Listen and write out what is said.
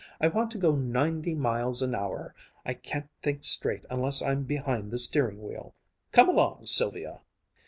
I want to go ninety miles an hour! I can't think straight unless I'm behind the steering wheel. Come along, Sylvia!"